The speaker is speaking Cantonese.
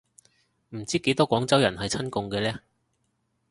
唔知幾多廣州人係親共嘅呢